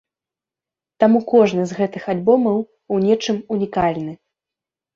Таму кожны з гэтых альбомаў у нечым ўнікальны.